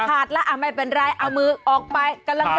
แล้วไม่เป็นไรเอามือออกไปกำลังจะ